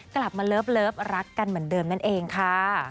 กลับมาเลิฟรักกันเหมือนเดิมนั่นเองค่ะ